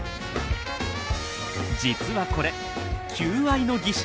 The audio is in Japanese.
実はこれ求愛の儀式。